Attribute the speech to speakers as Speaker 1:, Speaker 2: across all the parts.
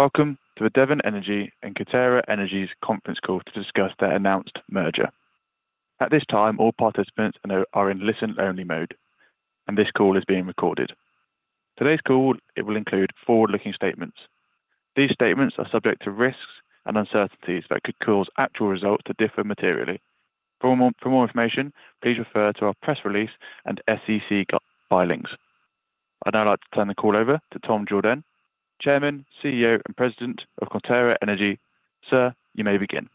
Speaker 1: Welcome to the Devon Energy and Coterra Energy's conference call to discuss their announced merger. At this time, all participants are in listen-only mode, and this call is being recorded. Today's call will include forward-looking statements. These statements are subject to risks and uncertainties that could cause actual results to differ materially. For more information, please refer to our press release and SEC filings. I'd now like to turn the call over to Tom Jorden, Chairman, CEO, and President of Coterra Energy. Sir, you may begin.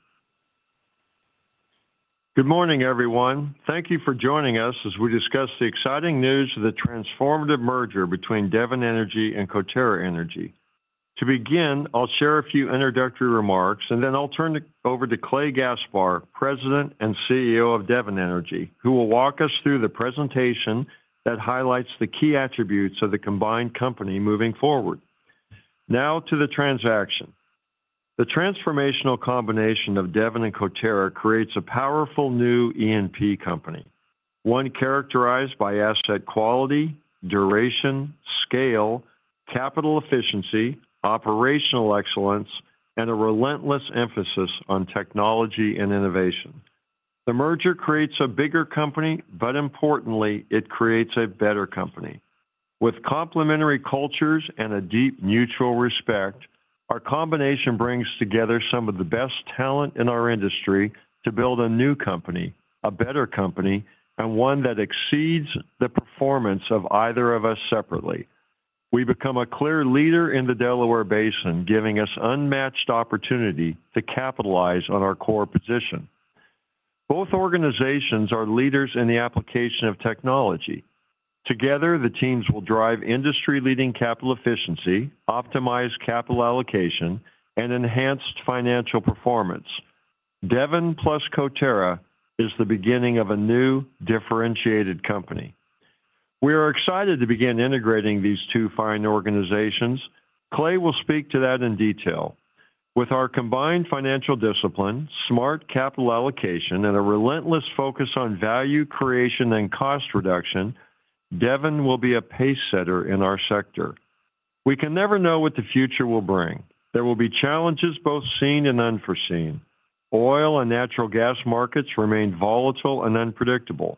Speaker 2: Good morning, everyone. Thank you for joining us as we discuss the exciting news of the transformative merger between Devon Energy and Coterra Energy. To begin, I'll share a few introductory remarks, and then I'll turn over to Clay Gaspar, President and CEO of Devon Energy, who will walk us through the presentation that highlights the key attributes of the combined company moving forward. Now to the transaction. The transformational combination of Devon and Coterra creates a powerful new E&P company, one characterized by asset quality, duration, scale, capital efficiency, operational excellence, and a relentless emphasis on technology and innovation. The merger creates a bigger company, but importantly, it creates a better company. With complementary cultures and a deep mutual respect, our combination brings together some of the best talent in our industry to build a new company, a better company, and one that exceeds the performance of either of us separately. We become a clear leader in the Delaware Basin, giving us unmatched opportunity to capitalize on our core position. Both organizations are leaders in the application of technology. Together, the teams will drive industry-leading capital efficiency, optimize capital allocation, and enhanced financial performance. Devon plus Coterra is the beginning of a new, differentiated company. We are excited to begin integrating these two fine organizations. Clay will speak to that in detail. With our combined financial discipline, smart capital allocation, and a relentless focus on value creation and cost reduction, Devon will be a pace-setter in our sector. We can never know what the future will bring. There will be challenges both seen and unforeseen. Oil and natural gas markets remain volatile and unpredictable.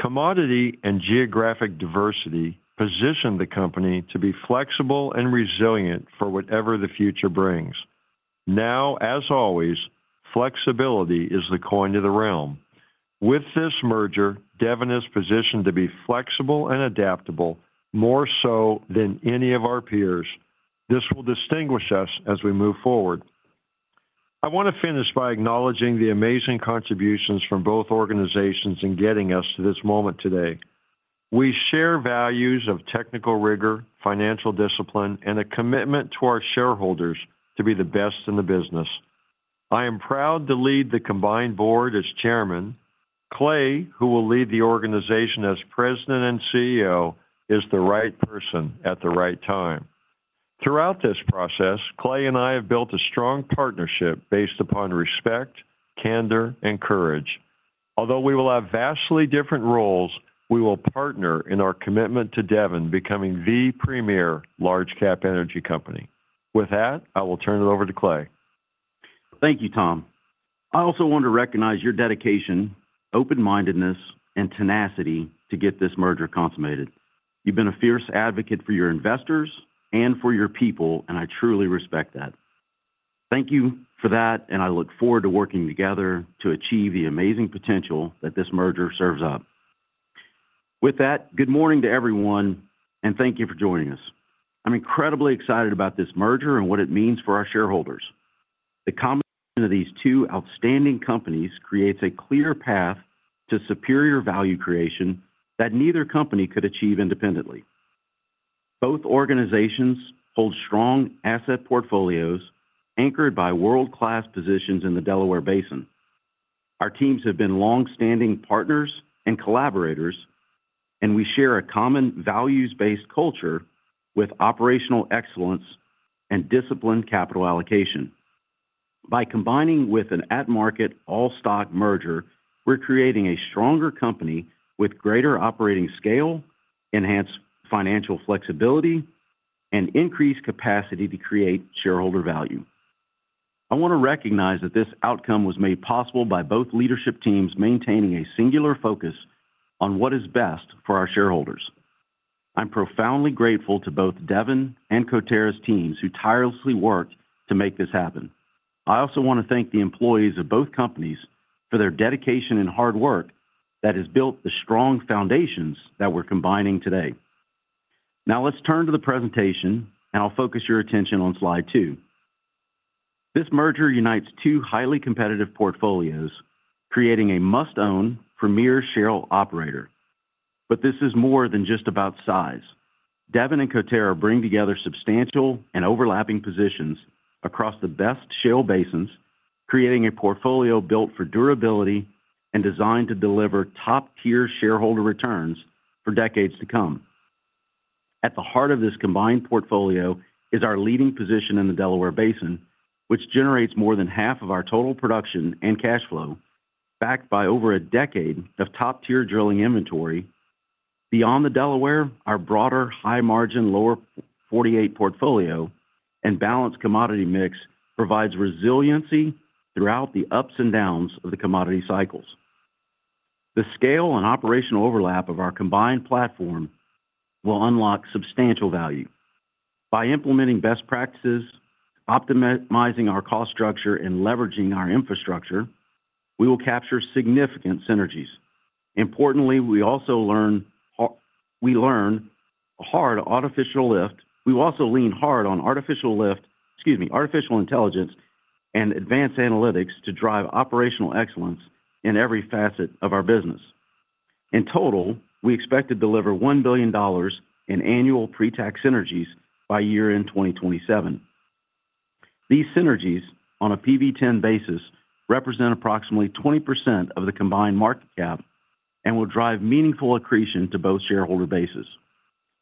Speaker 2: Commodity and geographic diversity position the company to be flexible and resilient for whatever the future brings. Now, as always, flexibility is the coin of the realm. With this merger, Devon is positioned to be flexible and adaptable more so than any of our peers. This will distinguish us as we move forward. I want to finish by acknowledging the amazing contributions from both organizations in getting us to this moment today. We share values of technical rigor, financial discipline, and a commitment to our shareholders to be the best in the business. I am proud to lead the combined board as Chairman. Clay, who will lead the organization as President and CEO, is the right person at the right time. Throughout this process, Clay and I have built a strong partnership based upon respect, candor, and courage. Although we will have vastly different roles, we will partner in our commitment to Devon becoming the premier large-cap energy company. With that, I will turn it over to Clay.
Speaker 3: Thank you, Tom. I also want to recognize your dedication, open-mindedness, and tenacity to get this merger consummated. You've been a fierce advocate for your investors and for your people, and I truly respect that. Thank you for that, and I look forward to working together to achieve the amazing potential that this merger serves up. With that, good morning to everyone, and thank you for joining us. I'm incredibly excited about this merger and what it means for our shareholders. The combination of these two outstanding companies creates a clear path to superior value creation that neither company could achieve independently. Both organizations hold strong asset portfolios anchored by world-class positions in the Delaware Basin. Our teams have been longstanding partners and collaborators, and we share a common values-based culture with operational excellence and disciplined capital allocation. By combining with an at-market all-stock merger, we're creating a stronger company with greater operating scale, enhanced financial flexibility, and increased capacity to create shareholder value. I want to recognize that this outcome was made possible by both leadership teams maintaining a singular focus on what is best for our shareholders. I'm profoundly grateful to both Devon and Coterra's teams who tirelessly worked to make this happen. I also want to thank the employees of both companies for their dedication and hard work that has built the strong foundations that we're combining today. Now let's turn to the presentation, and I'll focus your attention on slide two. This merger unites two highly competitive portfolios, creating a must-own premier shale operator. But this is more than just about size. Devon and Coterra bring together substantial and overlapping positions across the best shale basins, creating a portfolio built for durability and designed to deliver top-tier shareholder returns for decades to come. At the heart of this combined portfolio is our leading position in the Delaware Basin, which generates more than half of our total production and cash flow, backed by over a decade of top-tier drilling inventory. Beyond the Delaware, our broader high-margin, Lower 48 portfolio and balanced commodity mix provides resiliency throughout the ups and downs of the commodity cycles. The scale and operational overlap of our combined platform will unlock substantial value. By implementing best practices, optimizing our cost structure, and leveraging our infrastructure, we will capture significant synergies. Importantly, we also lean hard on artificial lift. We also lean hard on artificial intelligence and advanced analytics to drive operational excellence in every facet of our business. In total, we expect to deliver $1 billion in annual pre-tax synergies by year-end 2027. These synergies, on a PV-10 basis, represent approximately 20% of the combined market cap and will drive meaningful accretion to both shareholder bases.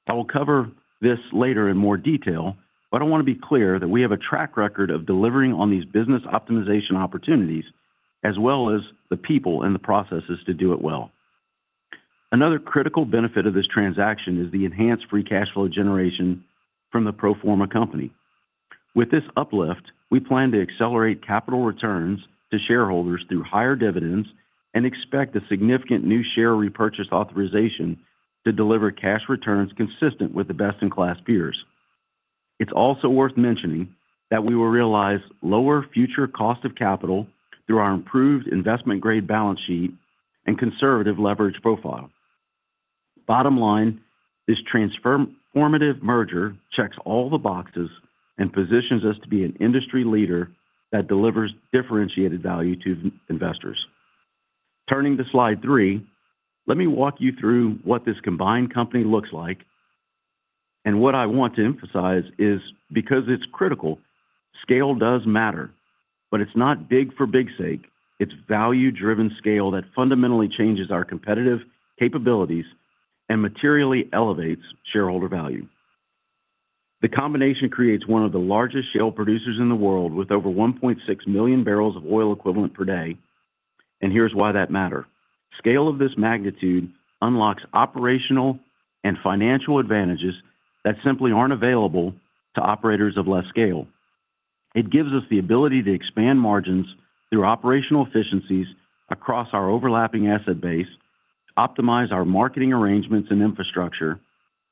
Speaker 3: I will cover this later in more detail, but I want to be clear that we have a track record of delivering on these business optimization opportunities as well as the people and the processes to do it well. Another critical benefit of this transaction is the enhanced free cash flow generation from the pro forma company. With this uplift, we plan to accelerate capital returns to shareholders through higher dividends and expect a significant new share repurchase authorization to deliver cash returns consistent with the best-in-class peers. It's also worth mentioning that we will realize lower future cost of capital through our improved investment-grade balance sheet and conservative leverage profile. Bottom line, this transformative merger checks all the boxes and positions us to be an industry leader that delivers differentiated value to investors. Turning to slide three, let me walk you through what this combined company looks like. What I want to emphasize is, because it's critical, scale does matter. But it's not big for big's sake. It's value-driven scale that fundamentally changes our competitive capabilities and materially elevates shareholder value. The combination creates one of the largest shale producers in the world with over 1.6 million bbl of oil equivalent per day. Here's why that matters. Scale of this magnitude unlocks operational and financial advantages that simply aren't available to operators of less scale. It gives us the ability to expand margins through operational efficiencies across our overlapping asset base, optimize our marketing arrangements and infrastructure,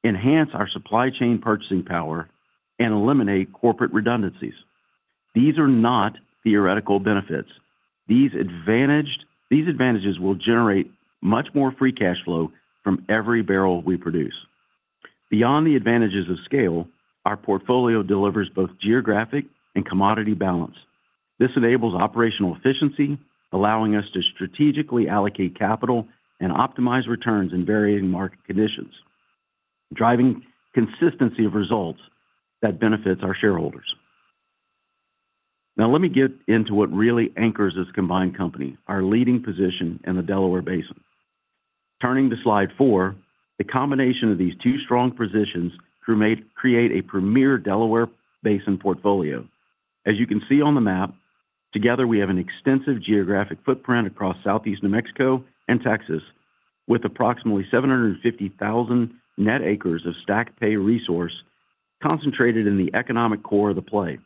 Speaker 3: enhance our supply chain purchasing power, and eliminate corporate redundancies. These are not theoretical benefits. These advantages will generate much more free cash flow from every barrel we produce. Beyond the advantages of scale, our portfolio delivers both geographic and commodity balance. This enables operational efficiency, allowing us to strategically allocate capital and optimize returns in varying market conditions, driving consistency of results that benefits our shareholders. Now let me get into what really anchors this combined company, our leading position in the Delaware Basin. Turning to slide four, the combination of these two strong positions create a premier Delaware Basin portfolio. As you can see on the map, together we have an extensive geographic footprint across Southeast New Mexico and Texas, with approximately 750,000 net acres of stacked pay resource concentrated in the economic core of the play.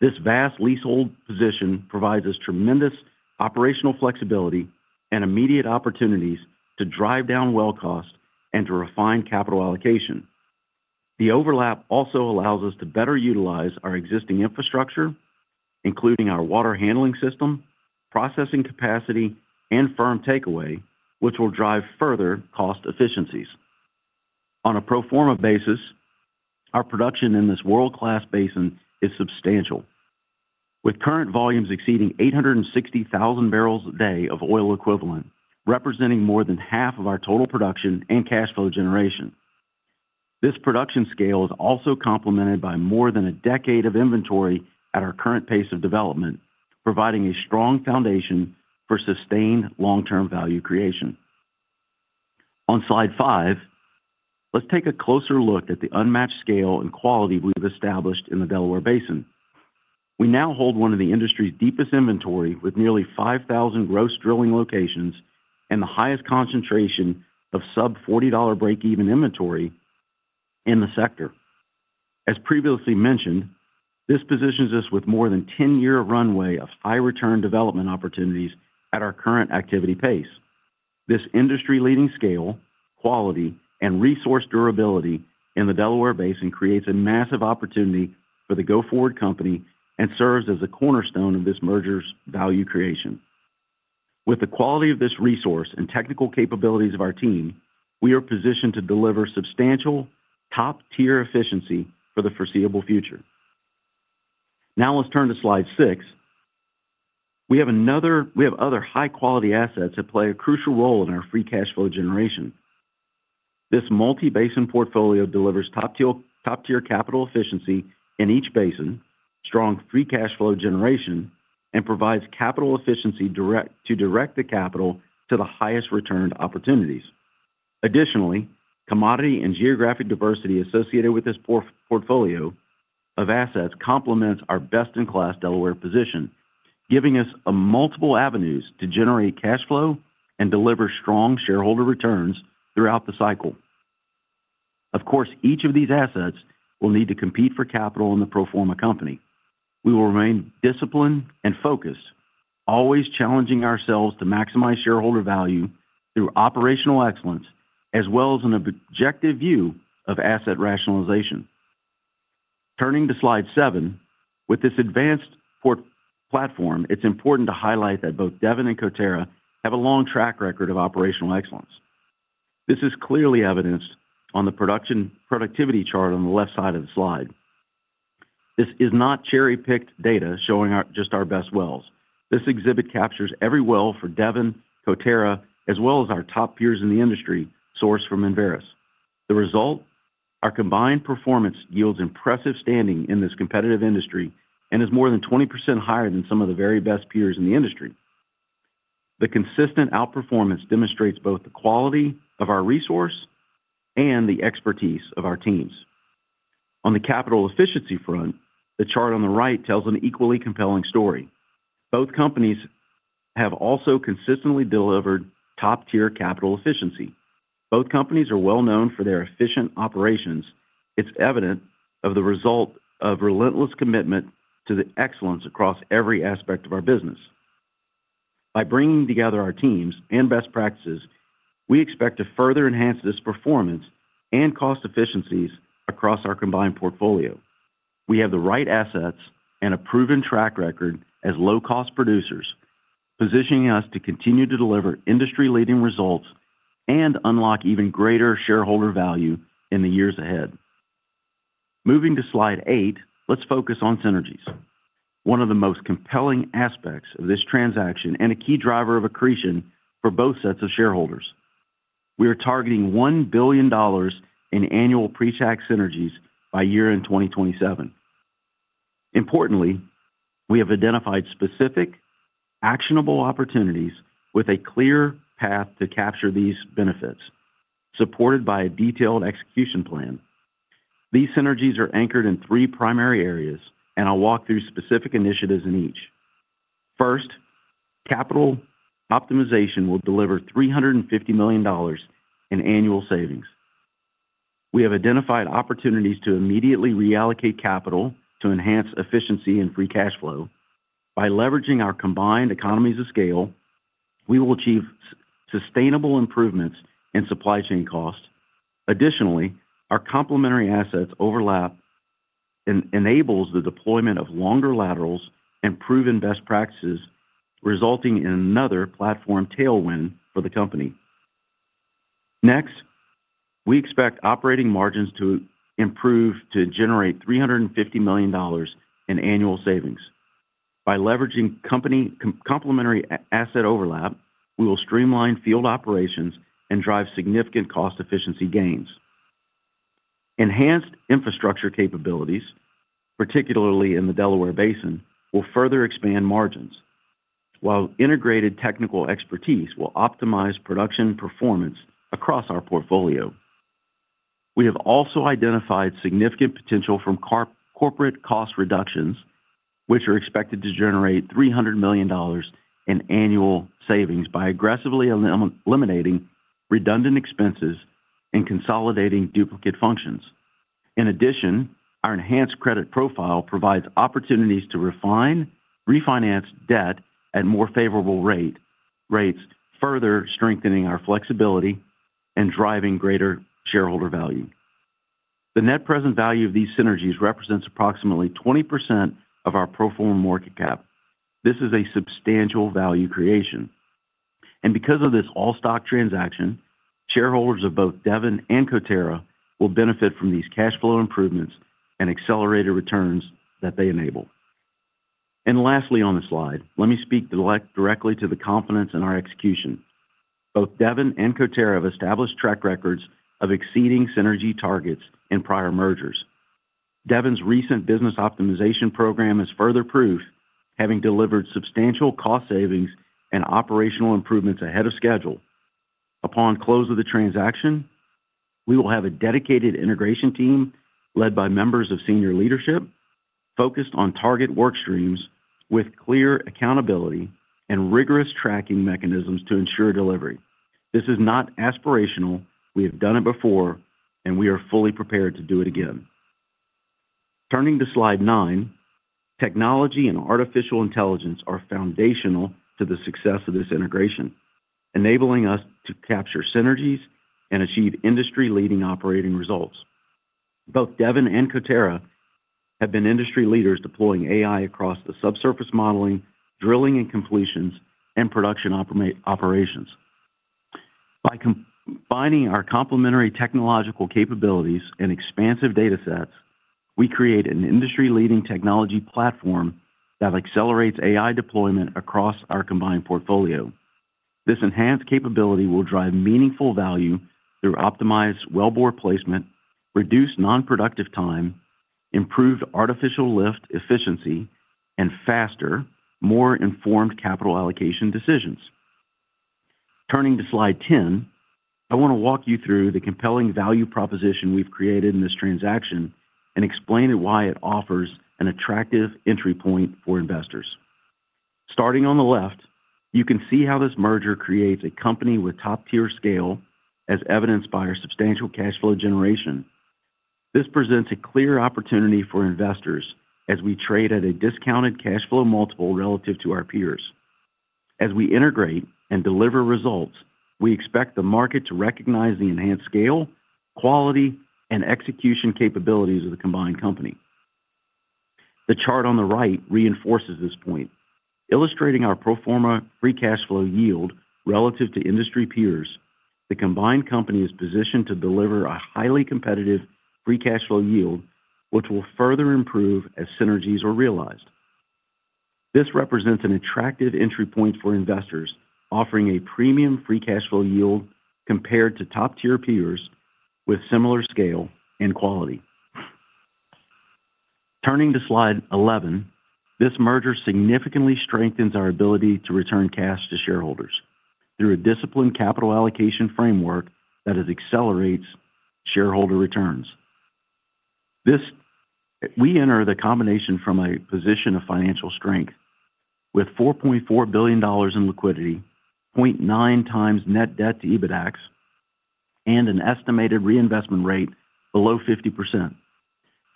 Speaker 3: This vast leasehold position provides us tremendous operational flexibility and immediate opportunities to drive down well cost and to refine capital allocation. The overlap also allows us to better utilize our existing infrastructure, including our water handling system, processing capacity, and firm takeaway, which will drive further cost efficiencies. On a pro forma basis, our production in this world-class basin is substantial, with current volumes exceeding 860,000 bbl a day of oil equivalent, representing more than half of our total production and cash flow generation. This production scale is also complemented by more than a decade of inventory at our current pace of development, providing a strong foundation for sustained long-term value creation. On slide five, let's take a closer look at the unmatched scale and quality we've established in the Delaware Basin. We now hold one of the industry's deepest inventory, with nearly 5,000 gross drilling locations and the highest concentration of sub-$40 break-even inventory in the sector. As previously mentioned, this positions us with more than 10-year runway of high-return development opportunities at our current activity pace. This industry-leading scale, quality, and resource durability in the Delaware Basin creates a massive opportunity for the go-forward company and serves as a cornerstone of this merger's value creation. With the quality of this resource and technical capabilities of our team, we are positioned to deliver substantial top-tier efficiency for the foreseeable future. Now let's turn to slide six. We have other high-quality assets that play a crucial role in our free cash flow generation. This multi-basin portfolio delivers top-tier capital efficiency in each basin, strong free cash flow generation, and provides capital efficiency to direct the capital to the highest returned opportunities. Additionally, commodity and geographic diversity associated with this portfolio of assets complements our best-in-class Delaware position, giving us multiple avenues to generate cash flow and deliver strong shareholder returns throughout the cycle. Of course, each of these assets will need to compete for capital in the pro forma company. We will remain disciplined and focused, always challenging ourselves to maximize shareholder value through operational excellence as well as an objective view of asset rationalization. Turning to slide seven, with this advanced platform, it's important to highlight that both Devon and Coterra have a long track record of operational excellence. This is clearly evidenced on the production productivity chart on the left side of the slide. This is not cherry-picked data showing just our best wells. This exhibit captures every well for Devon, Coterra, as well as our top peers in the industry sourced from Enverus. The result? Our combined performance yields impressive standing in this competitive industry and is more than 20% higher than some of the very best peers in the industry. The consistent outperformance demonstrates both the quality of our resource and the expertise of our teams. On the capital efficiency front, the chart on the right tells an equally compelling story. Both companies have also consistently delivered top-tier capital efficiency. Both companies are well known for their efficient operations. It's evident of the result of relentless commitment to the excellence across every aspect of our business. By bringing together our teams and best practices, we expect to further enhance this performance and cost efficiencies across our combined portfolio. We have the right assets and a proven track record as low-cost producers, positioning us to continue to deliver industry-leading results and unlock even greater shareholder value in the years ahead. Moving to slide eight, let's focus on synergies. One of the most compelling aspects of this transaction and a key driver of accretion for both sets of shareholders. We are targeting $1 billion in annual pre-tax synergies by year-end 2027. Importantly, we have identified specific actionable opportunities with a clear path to capture these benefits, supported by a detailed execution plan. These synergies are anchored in three primary areas, and I'll walk through specific initiatives in each. First, capital optimization will deliver $350 million in annual savings. We have identified opportunities to immediately reallocate capital to enhance efficiency and free cash flow. By leveraging our combined economies of scale, we will achieve sustainable improvements in supply chain cost. Additionally, our complementary assets overlap and enable the deployment of longer laterals and proven best practices, resulting in another platform tailwind for the company. Next, we expect operating margins to generate $350 million in annual savings. By leveraging complementary asset overlap, we will streamline field operations and drive significant cost efficiency gains. Enhanced infrastructure capabilities, particularly in the Delaware Basin, will further expand margins, while integrated technical expertise will optimize production performance across our portfolio. We have also identified significant potential from corporate cost reductions, which are expected to generate $300 million in annual savings by aggressively eliminating redundant expenses and consolidating duplicate functions. In addition, our enhanced credit profile provides opportunities to refinance debt at more favorable rates, further strengthening our flexibility and driving greater shareholder value. The net present value of these synergies represents approximately 20% of our pro forma market cap. This is a substantial value creation. Because of this all-stock transaction, shareholders of both Devon and Coterra will benefit from these cash flow improvements and accelerated returns that they enable. Lastly on the slide, let me speak directly to the confidence in our execution. Both Devon and Coterra have established track records of exceeding synergy targets in prior mergers. Devon's recent business optimization program is further proof, having delivered substantial cost savings and operational improvements ahead of schedule. Upon close of the transaction, we will have a dedicated integration team led by members of senior leadership, focused on target work streams with clear accountability and rigorous tracking mechanisms to ensure delivery. This is not aspirational. We have done it before, and we are fully prepared to do it again. Turning to slide nine, technology and artificial intelligence are foundational to the success of this integration, enabling us to capture synergies and achieve industry-leading operating results. Both Devon and Coterra have been industry leaders deploying AI across the subsurface modeling, drilling and completions, and production operations. By combining our complementary technological capabilities and expansive data sets, we create an industry-leading technology platform that accelerates AI deployment across our combined portfolio. This enhanced capability will drive meaningful value through optimized wellbore placement, reduced nonproductive time, improved artificial lift efficiency, and faster, more informed capital allocation decisions. Turning to slide 10, I want to walk you through the compelling value proposition we've created in this transaction and explain why it offers an attractive entry point for investors. Starting on the left, you can see how this merger creates a company with top-tier scale as evidenced by our substantial cash flow generation. This presents a clear opportunity for investors as we trade at a discounted cash flow multiple relative to our peers. As we integrate and deliver results, we expect the market to recognize the enhanced scale, quality, and execution capabilities of the combined company. The chart on the right reinforces this point. Illustrating our pro forma free cash flow yield relative to industry peers, the combined company is positioned to deliver a highly competitive free cash flow yield, which will further improve as synergies are realized. This represents an attractive entry point for investors, offering a premium free cash flow yield compared to top-tier peers with similar scale and quality. Turning to slide 11, this merger significantly strengthens our ability to return cash to shareholders through a disciplined capital allocation framework that accelerates shareholder returns. We enter the combination from a position of financial strength, with $4.4 billion in liquidity, 0.9x net debt to EBITDAX, and an estimated reinvestment rate below 50%.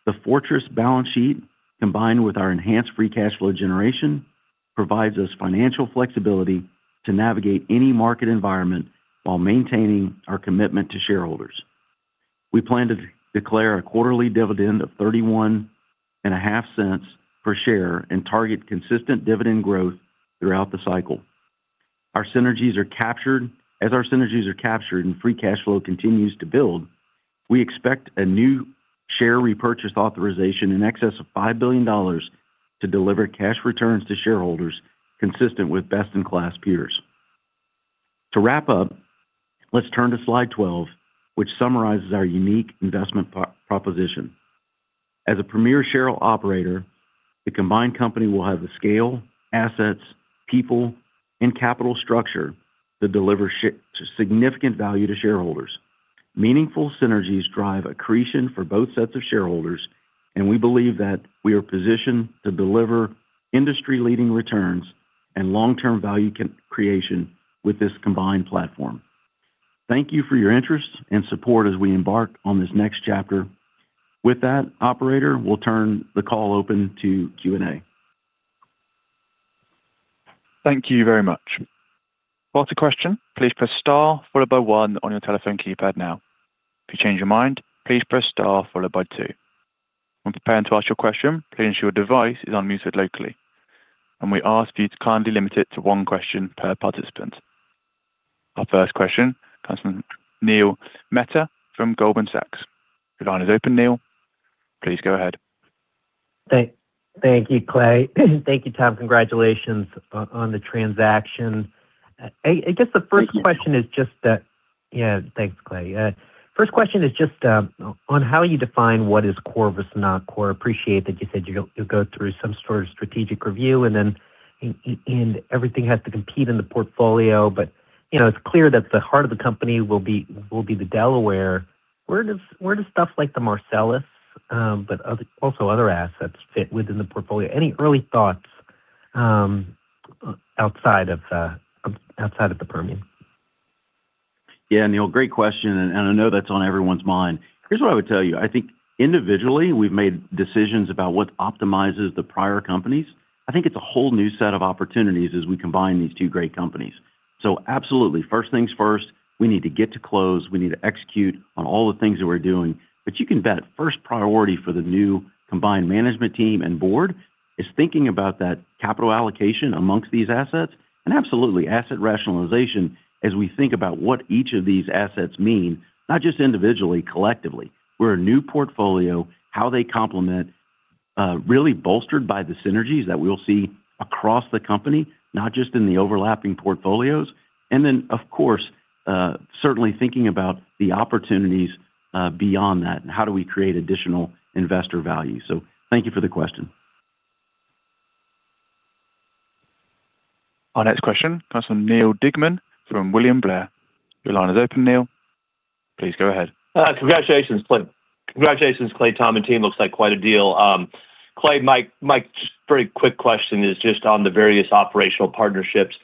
Speaker 3: The fortress balance sheet, combined with our enhanced free cash flow generation, provides us financial flexibility to navigate any market environment while maintaining our commitment to shareholders. We plan to declare a quarterly dividend of $0.315 per share and target consistent dividend growth throughout the cycle. As our synergies are captured and free cash flow continues to build, we expect a new share repurchase authorization in excess of $5 billion to deliver cash returns to shareholders consistent with best-in-class peers. To wrap up, let's turn to slide 12, which summarizes our unique investment proposition. As a premier shareholder operator, the combined company will have the scale, assets, people, and capital structure to deliver significant value to shareholders. Meaningful synergies drive accretion for both sets of shareholders, and we believe that we are positioned to deliver industry-leading returns and long-term value creation with this combined platform. Thank you for your interest and support as we embark on this next chapter. With that, operator, we'll turn the call open to Q&A.
Speaker 1: Thank you very much. For the question, please press star followed by one on your telephone keypad now. If you change your mind, please press star followed by two. When preparing to ask your question, please ensure your device is unmuted locally, and we ask for you to kindly limit it to one question per participant. Our first question comes from Neil Mehta from Goldman Sachs. Your line is open, Neil. Please go ahead.
Speaker 4: Thank you, Clay. Thank you, Tom. Congratulations on the transaction. I guess the first question is just that yeah, thanks, Clay. First question is just on how you define what is core versus not core. I appreciate that you said you'll go through some sort of strategic review and everything has to compete in the portfolio, but it's clear that the heart of the company will be the Delaware. Where does stuff like the Marcellus but also other assets fit within the portfolio? Any early thoughts outside of the Permian?
Speaker 3: Yeah, Neil, great question, and I know that's on everyone's mind. Here's what I would tell you. I think individually, we've made decisions about what optimizes the prior companies. I think it's a whole new set of opportunities as we combine these two great companies. So absolutely, first things first, we need to get to close. We need to execute on all the things that we're doing. But you can bet, first priority for the new combined management team and board is thinking about that capital allocation amongst these assets. And absolutely, asset rationalization as we think about what each of these assets mean, not just individually, collectively, where a new portfolio, how they complement, really bolstered by the synergies that we'll see across the company, not just in the overlapping portfolios. And then, of course, certainly thinking about the opportunities beyond that and how do we create additional investor value. So thank you for the question.
Speaker 1: Our next question comes from Neal Dingmann from William Blair. Your line is open, Neal. Please go ahead.
Speaker 5: Congratulations, Clay. Congratulations, Clay, Tom, and team. Looks like quite a deal. Clay, my very quick question is just on the various operational partnerships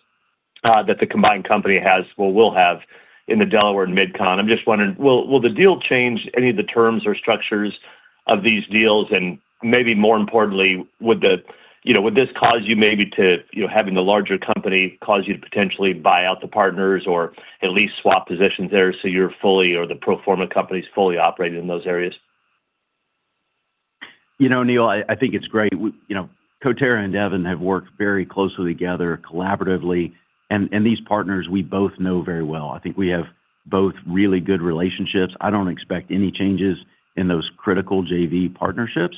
Speaker 5: that the combined company will have in the Delaware and Midcon. I'm just wondering, will the deal change any of the terms or structures of these deals? And maybe more importantly, would this cause you maybe to having the larger company cause you to potentially buy out the partners or at least swap positions there so you're fully or the pro forma companies fully operating in those areas?
Speaker 3: You know, Neil, I think it's great. Coterra and Devon have worked very closely together, collaboratively, and these partners, we both know very well. I think we have both really good relationships. I don't expect any changes in those critical JV partnerships.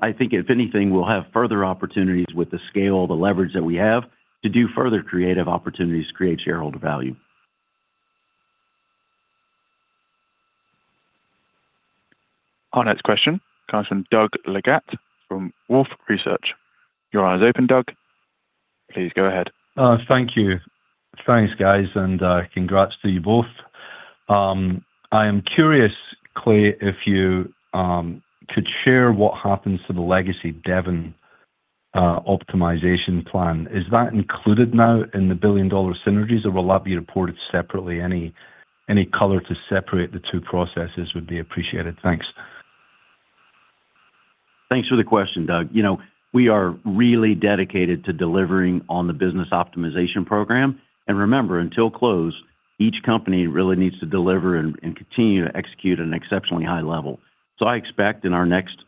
Speaker 3: I think, if anything, we'll have further opportunities with the scale, the leverage that we have to do further creative opportunities to create shareholder value.
Speaker 1: Our next question comes from Doug Leggate from Wolfe Research. Your line is open, Doug. Please go ahead.
Speaker 6: Thank you. Thanks, guys, and congrats to you both. I am curious, Clay, if you could share what happens to the legacy Devon optimization plan. Is that included now in the billion-dollar synergies or will that be reported separately? Any color to separate the two processes would be appreciated. Thanks.
Speaker 3: Thanks for the question, Doug. We are really dedicated to delivering on the business optimization program. Remember, until close, each company really needs to deliver and continue to execute at an exceptionally high level. I expect in our next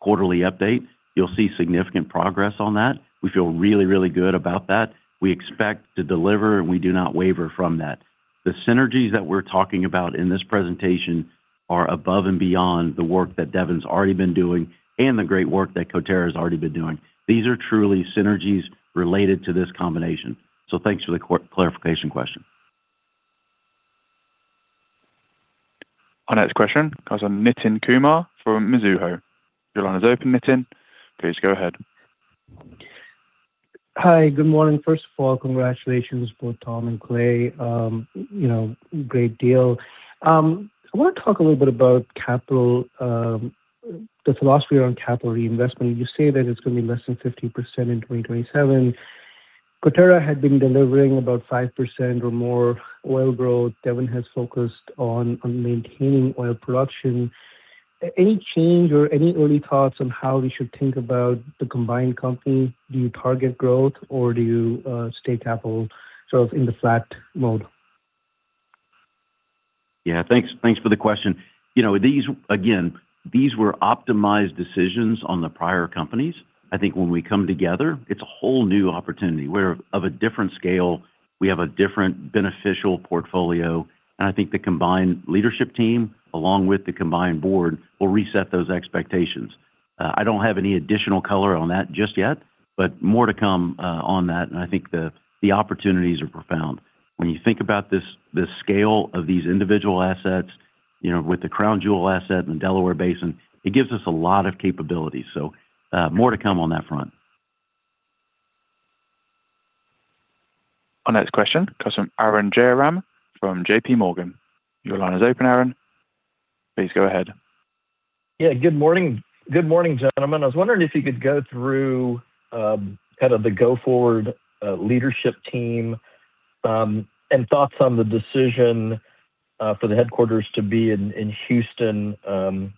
Speaker 3: quarterly update, you'll see significant progress on that. We feel really, really good about that. We expect to deliver, and we do not waver from that. The synergies that we're talking about in this presentation are above and beyond the work that Devon's already been doing and the great work that Coterra has already been doing. These are truly synergies related to this combination. Thanks for the clarification question.
Speaker 1: Our next question comes from Nitin Kumar from Mizuho. Your line is open, Nitin. Please go ahead.
Speaker 7: Hi. Good morning. First of all, congratulations both Tom and Clay. Great deal. I want to talk a little bit about the philosophy around capital reinvestment. You say that it's going to be less than 50% in 2027. Coterra had been delivering about 5% or more oil growth. Devon has focused on maintaining oil production. Any change or any early thoughts on how we should think about the combined company? Do you target growth, or do you stay capital sort of in the flat mode?
Speaker 3: Yeah, thanks for the question. Again, these were optimized decisions on the prior companies. I think when we come together, it's a whole new opportunity. We're of a different scale. We have a different beneficial portfolio. And I think the combined leadership team, along with the combined board, will reset those expectations. I don't have any additional color on that just yet, but more to come on that. And I think the opportunities are profound. When you think about the scale of these individual assets with the Crown Jewel asset and the Delaware Basin, it gives us a lot of capabilities. So more to come on that front.
Speaker 1: Our next question comes from Arun Jayaram from JPMorgan. Your line is open, Arun. Please go ahead.
Speaker 8: Yeah, good morning, gentlemen. I was wondering if you could go through kind of the go-forward leadership team and thoughts on the decision for the headquarters to be in Houston.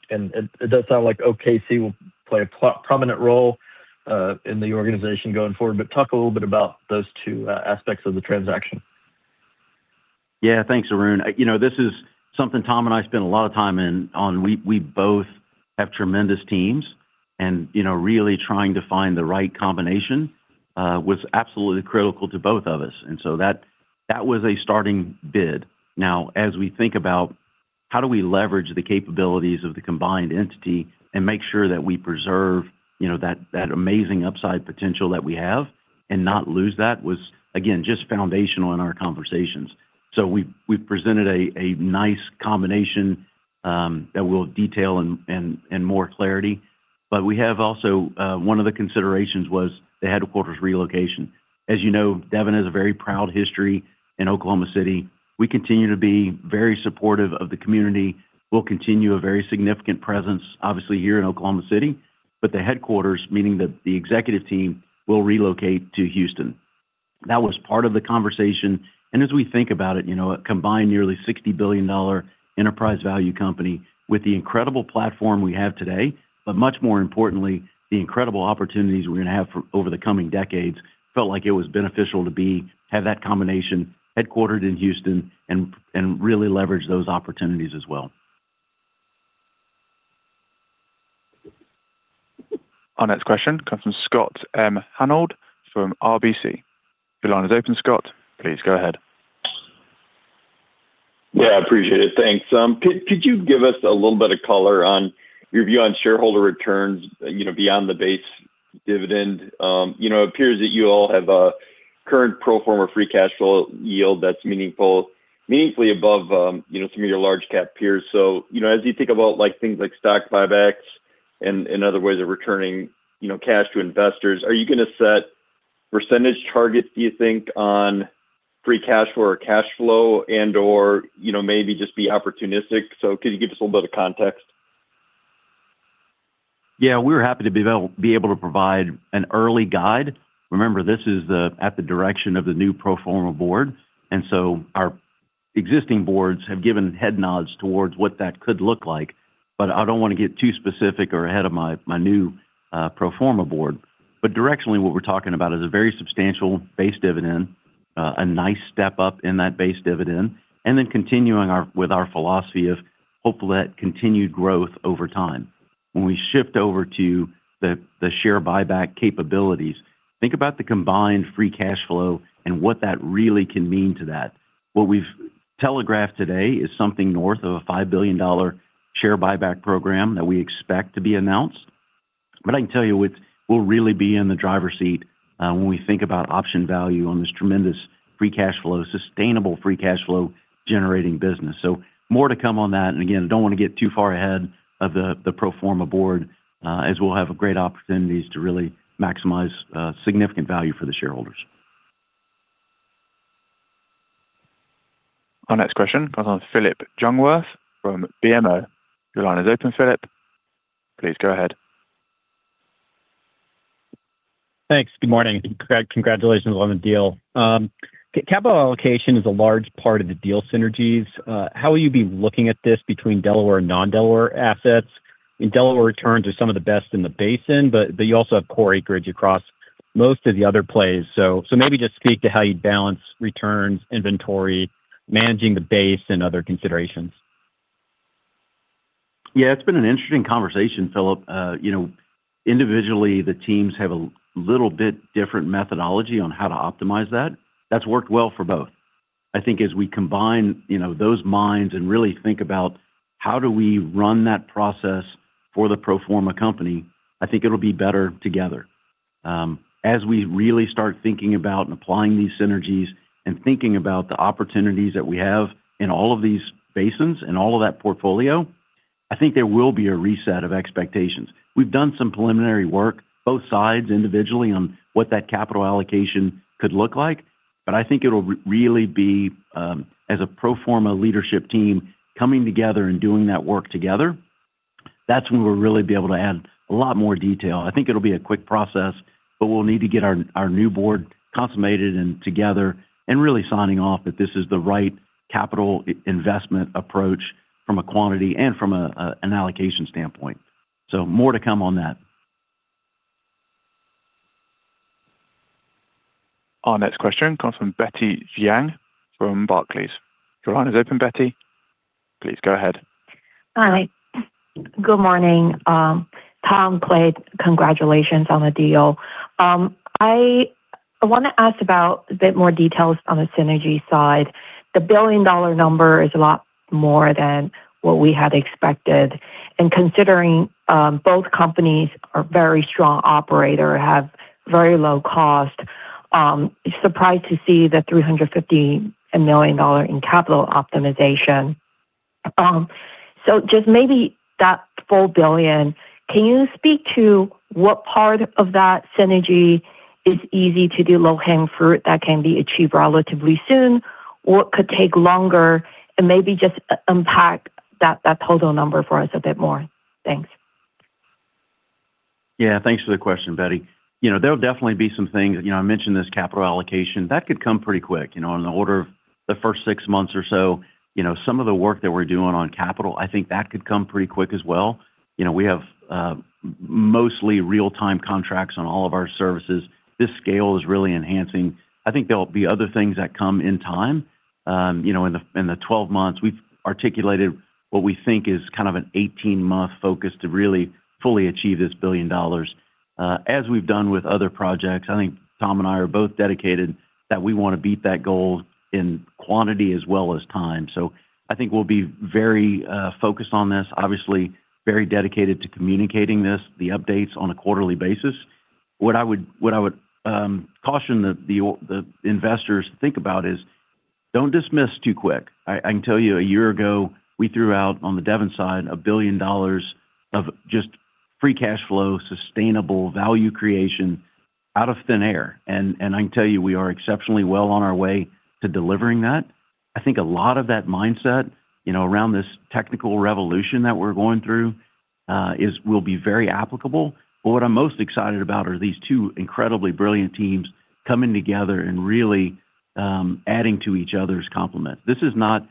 Speaker 8: It does sound like OKC will play a prominent role in the organization going forward, but talk a little bit about those two aspects of the transaction.
Speaker 3: Yeah, thanks, Arun. This is something Tom and I spend a lot of time on. We both have tremendous teams, and really trying to find the right combination was absolutely critical to both of us. And so that was a starting bid. Now, as we think about how do we leverage the capabilities of the combined entity and make sure that we preserve that amazing upside potential that we have and not lose that was, again, just foundational in our conversations. So we've presented a nice combination that we'll detail in more clarity. But we have also one of the considerations was the headquarters relocation. As you know, Devon has a very proud history in Oklahoma City. We continue to be very supportive of the community. We'll continue a very significant presence, obviously, here in Oklahoma City, but the headquarters, meaning the executive team, will relocate to Houston. That was part of the conversation. As we think about it, a combined nearly $60 billion enterprise value company with the incredible platform we have today, but much more importantly, the incredible opportunities we're going to have over the coming decades, felt like it was beneficial to have that combination headquartered in Houston and really leverage those opportunities as well.
Speaker 1: Our next question comes from Scott Hanold from RBC. Your line is open, Scott. Please go ahead.
Speaker 9: Yeah, appreciate it. Thanks. Could you give us a little bit of color on your view on shareholder returns beyond the base dividend? It appears that you all have a current pro forma free cash flow yield that's meaningfully above some of your large-cap peers. So as you think about things like stock buybacks and other ways of returning cash to investors, are you going to set percentage targets, do you think, on free cash flow or cash flow and/or maybe just be opportunistic? Could you give us a little bit of context?
Speaker 3: Yeah, we're happy to be able to provide an early guide. Remember, this is at the direction of the new pro forma board. And so our existing boards have given head nods towards what that could look like. But I don't want to get too specific or ahead of my new pro forma board. But directionally, what we're talking about is a very substantial base dividend, a nice step up in that base dividend, and then continuing with our philosophy of hopefully that continued growth over time. When we shift over to the share buyback capabilities, think about the combined free cash flow and what that really can mean to that. What we've telegraphed today is something north of a $5 billion share buyback program that we expect to be announced. I can tell you we'll really be in the driver's seat when we think about option value on this tremendous free cash flow, sustainable free cash flow generating business. More to come on that. Again, I don't want to get too far ahead of the pro forma board as we'll have great opportunities to really maximize significant value for the shareholders.
Speaker 1: Our next question comes from Phillip Jungwirth from BMO. Your line is open, Phillip. Please go ahead.
Speaker 10: Thanks. Good morning. Congratulations on the deal. Capital allocation is a large part of the deal synergies. How will you be looking at this between Delaware and non-Delaware assets? I mean, Delaware returns are some of the best in the basin, but you also have core acreage across most of the other plays. So maybe just speak to how you balance returns, inventory, managing the base, and other considerations.
Speaker 3: Yeah, it's been an interesting conversation, Phillip. Individually, the teams have a little bit different methodology on how to optimize that. That's worked well for both. I think as we combine those minds and really think about how do we run that process for the pro forma company, I think it'll be better together. As we really start thinking about and applying these synergies and thinking about the opportunities that we have in all of these basins and all of that portfolio, I think there will be a reset of expectations. We've done some preliminary work, both sides, individually, on what that capital allocation could look like. But I think it'll really be as a pro forma leadership team coming together and doing that work together. That's when we'll really be able to add a lot more detail. I think it'll be a quick process, but we'll need to get our new board consummated and together and really signing off that this is the right capital investment approach from a quantity and from an allocation standpoint. So more to come on that.
Speaker 1: Our next question comes from Betty Jiang from Barclays. Your line is open, Betty. Please go ahead.
Speaker 11: Hi. Good morning. Tom, Clay, congratulations on the deal. I want to ask about a bit more details on the synergy side. The $1 billion number is a lot more than what we had expected. Considering both companies are very strong operators, have very low cost, surprised to see the $350 million in capital optimization. So just maybe that full $1 billion, can you speak to what part of that synergy is easy to do low-hanging fruit that can be achieved relatively soon, what could take longer, and maybe just unpack that total number for us a bit more? Thanks.
Speaker 3: Yeah, thanks for the question, Betty. There'll definitely be some things. I mentioned this capital allocation. That could come pretty quick. On the order of the first six months or so, some of the work that we're doing on capital, I think that could come pretty quick as well. We have mostly real-time contracts on all of our services. This scale is really enhancing. I think there'll be other things that come in time. In the 12 months, we've articulated what we think is kind of an 18-month focus to really fully achieve this $1 billion. As we've done with other projects, I think Tom and I are both dedicated that we want to beat that goal in quantity as well as time. So I think we'll be very focused on this, obviously, very dedicated to communicating this, the updates on a quarterly basis. What I would caution the investors to think about is don't dismiss too quick. I can tell you, a year ago, we threw out on the Devon side $1 billion of just free cash flow, sustainable value creation out of thin air. I can tell you we are exceptionally well on our way to delivering that. I think a lot of that mindset around this technical revolution that we're going through will be very applicable. But what I'm most excited about are these two incredibly brilliant teams coming together and really adding to each other's complements. This is not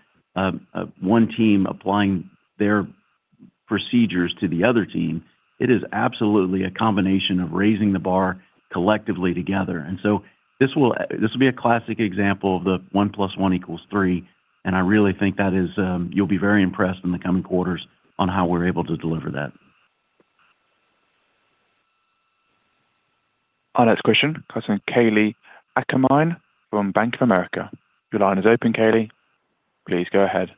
Speaker 3: one team applying their procedures to the other team. It is absolutely a combination of raising the bar collectively together. So this will be a classic example of the 1 +1=3. I really think that is, you'll be very impressed in the coming quarters on how we're able to deliver that.
Speaker 1: Our next question comes from Kalei Akamine from Bank of America. Your line is open, Kalei. Please go ahead.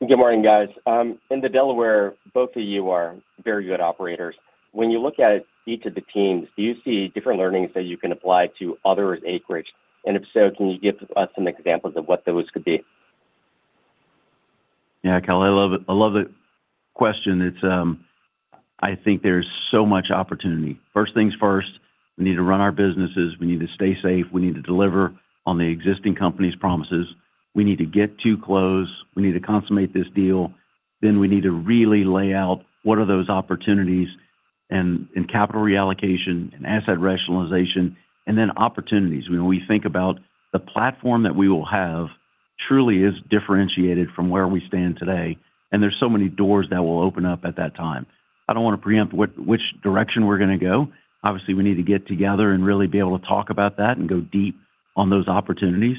Speaker 12: Good morning, guys. In the Delaware, both of you are very good operators. When you look at each of the teams, do you see different learnings that you can apply to others' acreage? And if so, can you give us some examples of what those could be?
Speaker 3: Yeah, Kal, I love the question. I think there's so much opportunity. First things first, we need to run our businesses. We need to stay safe. We need to deliver on the existing company's promises. We need to get to close. We need to consummate this deal. Then we need to really lay out what are those opportunities in capital reallocation and asset rationalization, and then opportunities. When we think about the platform that we will have, truly is differentiated from where we stand today. And there's so many doors that will open up at that time. I don't want to preempt which direction we're going to go. Obviously, we need to get together and really be able to talk about that and go deep on those opportunities.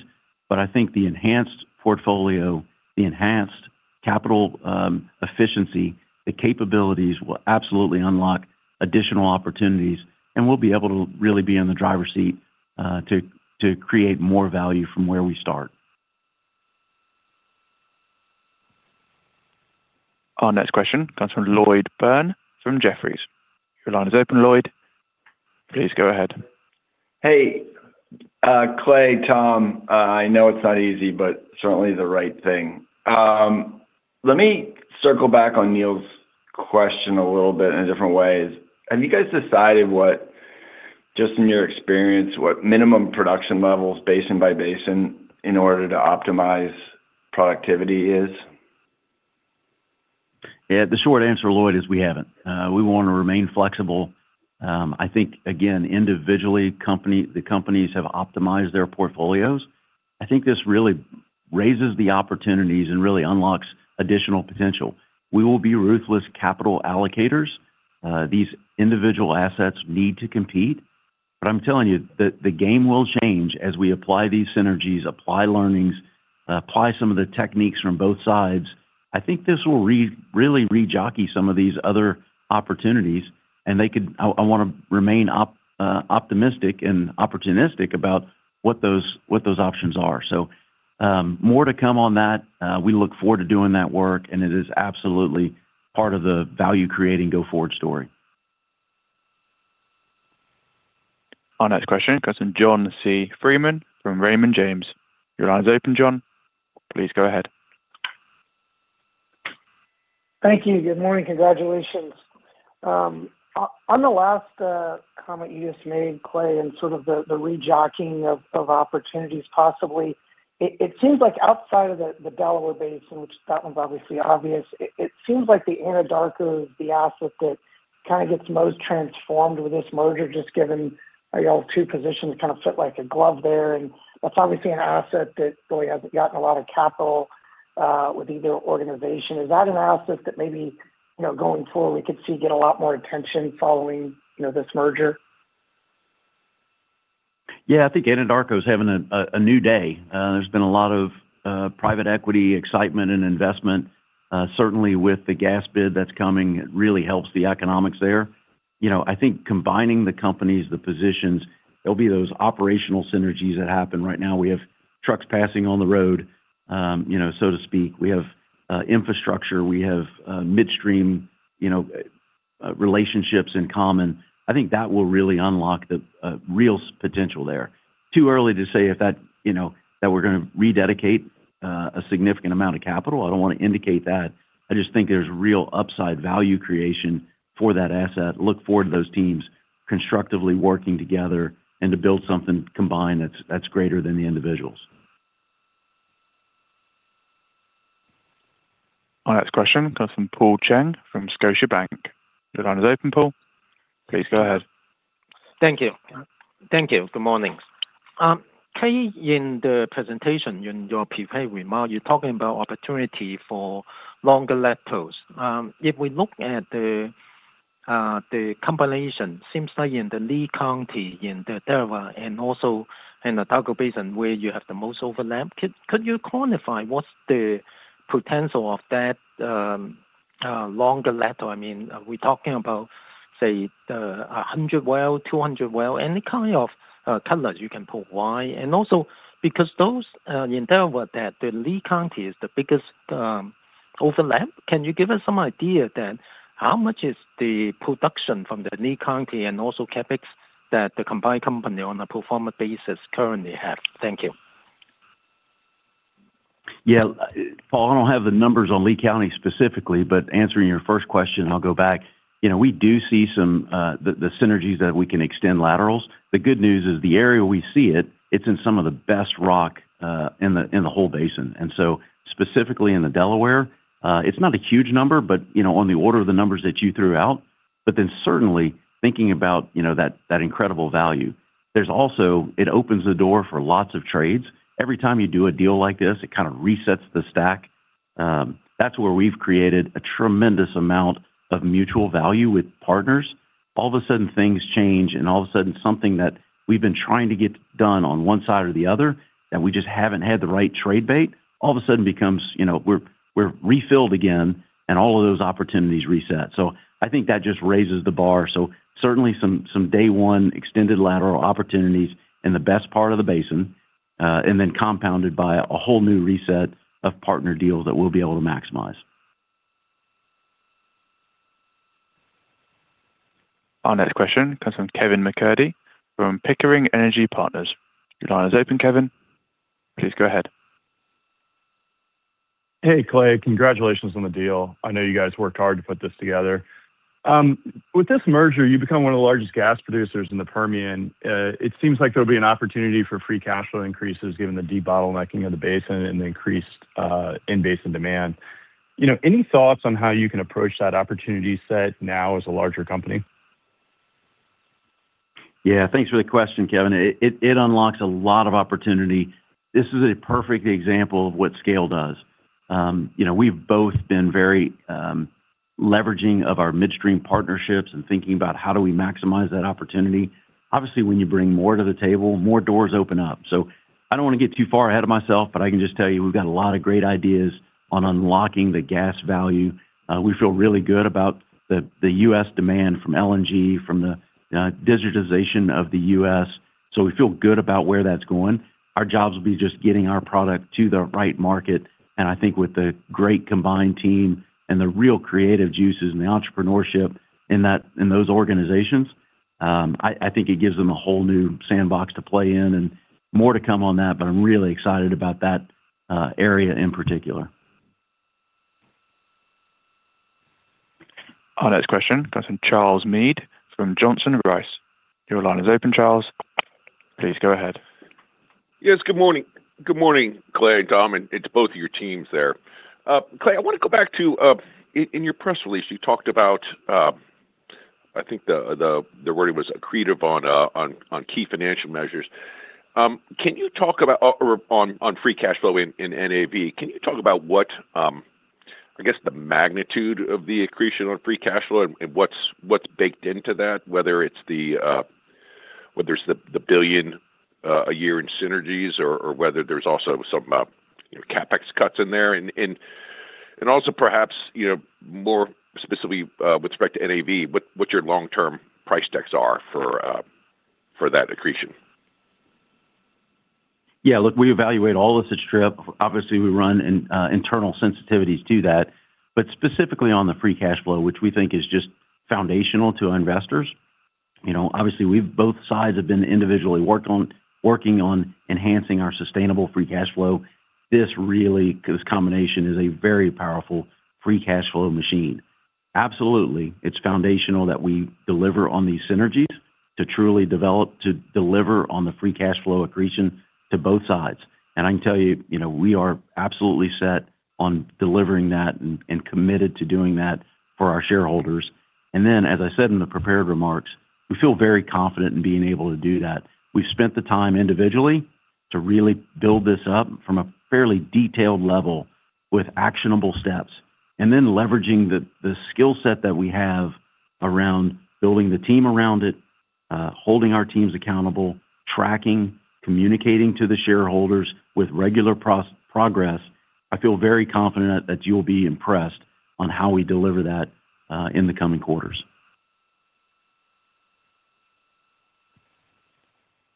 Speaker 3: But I think the enhanced portfolio, the enhanced capital efficiency, the capabilities will absolutely unlock additional opportunities. We'll be able to really be in the driver's seat to create more value from where we start.
Speaker 1: Our next question comes from Lloyd Byrne from Jefferies. Your line is open, Lloyd. Please go ahead.
Speaker 13: Hey, Clay, Tom, I know it's not easy, but certainly the right thing. Let me circle back on Neil's question a little bit in a different way. Have you guys decided what, just in your experience, what minimum production levels basin by basin in order to optimize productivity is?
Speaker 3: Yeah, the short answer, Lloyd, is we haven't. We want to remain flexible. I think, again, individually, the companies have optimized their portfolios. I think this really raises the opportunities and really unlocks additional potential. We will be ruthless capital allocators. These individual assets need to compete. But I'm telling you, the game will change as we apply these synergies, apply learnings, apply some of the techniques from both sides. I think this will really rejockey some of these other opportunities. And I want to remain optimistic and opportunistic about what those options are. So more to come on that. We look forward to doing that work. And it is absolutely part of the value-creating, go forward story.
Speaker 1: Our next question comes from John Freeman from Raymond James. Your line is open, John. Please go ahead.
Speaker 14: Thank you. Good morning. Congratulations. On the last comment you just made, Clay, and sort of the rejockeying of opportunities possibly, it seems like outside of the Delaware Basin, which that one's obviously obvious, it seems like the Anadarko Basin is the asset that kind of gets most transformed with this merger, just given y'all's two positions kind of fit like a glove there. And that's obviously an asset that really hasn't gotten a lot of capital with either organization. Is that an asset that maybe going forward, we could see get a lot more attention following this merger?
Speaker 3: Yeah, I think Anadarko is having a new day. There's been a lot of private equity excitement and investment. Certainly, with the gas bid that's coming, it really helps the economics there. I think combining the companies, the positions, there'll be those operational synergies that happen. Right now, we have trucks passing on the road, so to speak. We have infrastructure. We have midstream relationships in common. I think that will really unlock the real potential there. Too early to say if that we're going to rededicate a significant amount of capital. I don't want to indicate that. I just think there's real upside value creation for that asset. Look forward to those teams constructively working together and to build something combined that's greater than the individuals.
Speaker 1: Our next question comes from Paul Cheng from Scotiabank. Your line is open, Paul. Please go ahead.
Speaker 15: Thank you. Thank you. Good morning. Clay, in the presentation, in your prepay remark, you're talking about opportunity for longer laterals. If we look at the combination, it seems like in the Lea County, in the Delaware Basin, and also Anadarko Basin, where you have the most overlap, could you quantify what's the potential of that longer lateral? I mean, are we talking about, say, 100 wells, 200 wells, any kind of colors you can pull? Why? And also, because those in the Delaware Basin, the Lea County is the biggest overlap, can you give us some idea that how much is the production from the Lea County and also CapEx that the combined company on a pro forma basis currently has? Thank you.
Speaker 3: Yeah. Paul, I don't have the numbers on Lea County specifically. But answering your first question, I'll go back. We do see some of the synergies that we can extend laterals. The good news is the area where we see it, it's in some of the best rock in the whole basin. And so specifically in the Delaware, it's not a huge number, but on the order of the numbers that you threw out. But then certainly, thinking about that incredible value, there's also it opens the door for lots of trades. Every time you do a deal like this, it kind of resets the stack. That's where we've created a tremendous amount of mutual value with partners. All of a sudden, things change. And all of a sudden, something that we've been trying to get done on one side or the other, that we just haven't had the right trade bait, all of a sudden becomes we're refilled again. And all of those opportunities reset. So I think that just raises the bar. So certainly, some day-one extended lateral opportunities in the best part of the basin, and then compounded by a whole new reset of partner deals that we'll be able to maximize.
Speaker 1: Our next question comes from Kevin MacCurdy from Pickering Energy Partners. Your line is open, Kevin. Please go ahead.
Speaker 16: Hey, Clay. Congratulations on the deal. I know you guys worked hard to put this together. With this merger, you become one of the largest gas producers in the Permian. It seems like there'll be an opportunity for free cash flow increases given the debottlenecking of the basin and the increased in-basin demand. Any thoughts on how you can approach that opportunity set now as a larger company?
Speaker 3: Yeah, thanks for the question, Kevin. It unlocks a lot of opportunity. This is a perfect example of what scale does. We've both been very leveraging of our midstream partnerships and thinking about how do we maximize that opportunity. Obviously, when you bring more to the table, more doors open up. So I don't want to get too far ahead of myself, but I can just tell you we've got a lot of great ideas on unlocking the gas value. We feel really good about the U.S. demand from LNG, from the decarbonization of the U.S. So we feel good about where that's going. Our jobs will be just getting our product to the right market. And I think with the great combined team and the real creative juices and the entrepreneurship in those organizations, I think it gives them a whole new sandbox to play in. More to come on that. I'm really excited about that area in particular.
Speaker 1: Our next question comes from Charles Meade from Johnson Rice. Your line is open, Charles. Please go ahead.
Speaker 17: Yes, good morning. Good morning, Clay, and Tom. And it's both of your teams there. Clay, I want to go back to, in your press release, you talked about—I think the wording was accretive on key financial measures. Can you talk about on free cash flow in NAV? Can you talk about what, I guess, the magnitude of the accretion on free cash flow and what's baked into that, whether it's the $1 billion a year in synergies or whether there's also some CapEx cuts in there? And also perhaps more specifically with respect to NAV, what your long-term price decks are for that accretion?
Speaker 3: Yeah, look, we evaluate all of the strip. Obviously, we run internal sensitivities to that. But specifically on the free cash flow, which we think is just foundational to our investors, obviously, both sides have been individually working on enhancing our sustainable free cash flow. This combination is a very powerful free cash flow machine. Absolutely, it's foundational that we deliver on these synergies to truly develop to deliver on the free cash flow accretion to both sides. And I can tell you we are absolutely set on delivering that and committed to doing that for our shareholders. And then, as I said in the prepared remarks, we feel very confident in being able to do that. We've spent the time individually to really build this up from a fairly detailed level with actionable steps. And then leveraging the skill set that we have around building the team around it, holding our teams accountable, tracking, communicating to the shareholders with regular progress, I feel very confident that you'll be impressed on how we deliver that in the coming quarters.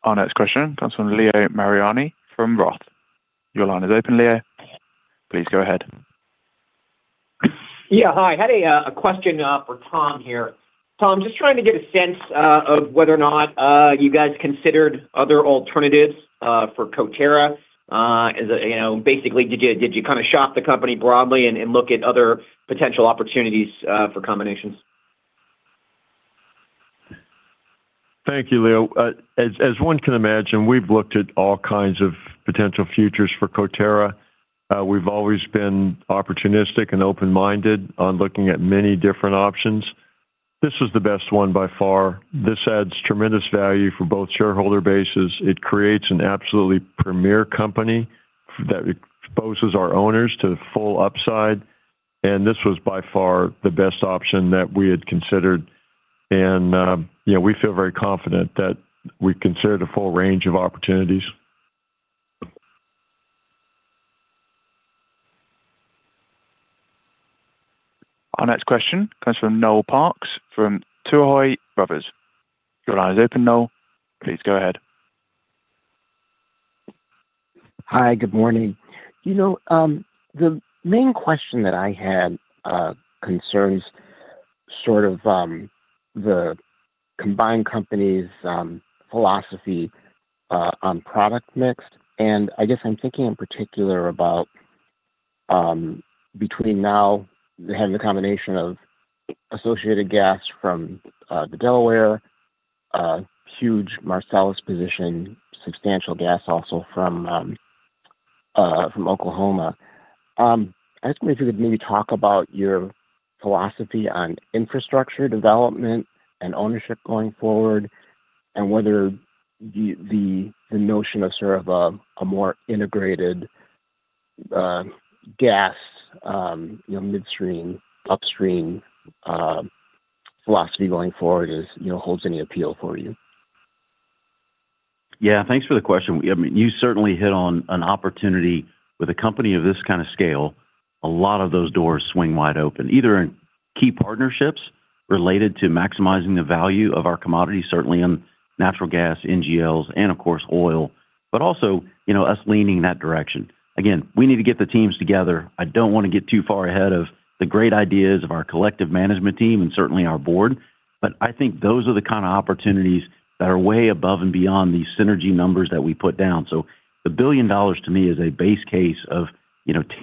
Speaker 1: Our next question comes from Leo Mariani from Roth. Your line is open, Leo. Please go ahead.
Speaker 18: Yeah, hi. Had a question for Tom here. Tom, just trying to get a sense of whether or not you guys considered other alternatives for Coterra. Basically, did you kind of shop the company broadly and look at other potential opportunities for combinations?
Speaker 2: Thank you, Leo. As one can imagine, we've looked at all kinds of potential futures for Coterra. We've always been opportunistic and open-minded on looking at many different options. This was the best one by far. This adds tremendous value for both shareholder bases. It creates an absolutely premier company that exposes our owners to full upside. And this was by far the best option that we had considered. And we feel very confident that we considered a full range of opportunities.
Speaker 1: Our next question comes from Noel Parks from Tuohy Brothers. Your line is open, Noel. Please go ahead.
Speaker 19: Hi. Good morning. The main question that I had concerns sort of the combined company's philosophy on product mix. And I guess I'm thinking in particular about between now having the combination of associated gas from the Delaware, huge Marcellus position, substantial gas also from Oklahoma. I'd ask you if you could maybe talk about your philosophy on infrastructure development and ownership going forward and whether the notion of sort of a more integrated gas midstream, upstream philosophy going forward holds any appeal for you.
Speaker 3: Yeah, thanks for the question. I mean, you certainly hit on an opportunity with a company of this kind of scale. A lot of those doors swing wide open, either in key partnerships related to maximizing the value of our commodities, certainly in natural gas, NGLs, and, of course, oil, but also us leaning in that direction. Again, we need to get the teams together. I don't want to get too far ahead of the great ideas of our collective management team and certainly our board. But I think those are the kind of opportunities that are way above and beyond the synergy numbers that we put down. So $1 billion, to me, is a base case of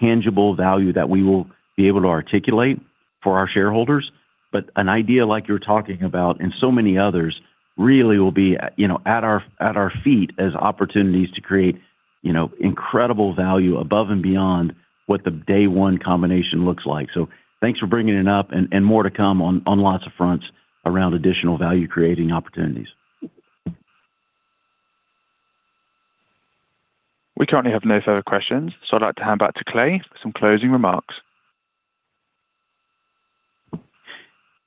Speaker 3: tangible value that we will be able to articulate for our shareholders. But an idea like you're talking about and so many others really will be at our feet as opportunities to create incredible value above and beyond what the day-one combination looks like. So thanks for bringing it up. And more to come on lots of fronts around additional value-creating opportunities.
Speaker 1: We currently have no further questions. So I'd like to hand back to Clay with some closing remarks.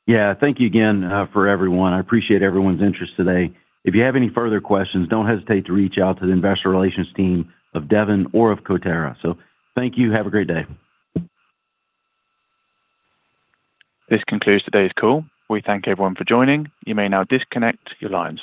Speaker 3: Yeah, thank you again for everyone. I appreciate everyone's interest today. If you have any further questions, don't hesitate to reach out to the investor relations team of Devon or of Coterra. So thank you. Have a great day.
Speaker 1: This concludes today's call. We thank everyone for joining. You may now disconnect. Your line is.